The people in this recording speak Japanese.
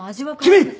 君！